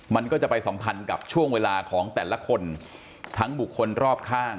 มันก็จะไปสัมพันธ์กับช่วงเวลาของแต่ละคนทั้งบุคคลรอบข้าง